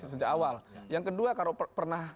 sejak awal yang kedua kalau pernah